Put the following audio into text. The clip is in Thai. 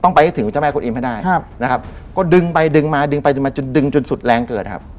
ไปให้ถึงเจ้าแม่คุณอิมให้ได้ครับนะครับก็ดึงไปดึงมาดึงไปดึงมาจนดึงจนสุดแรงเกิดครับ